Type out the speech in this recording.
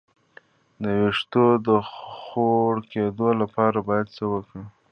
د ویښتو د غوړ کیدو لپاره باید څه وکړم؟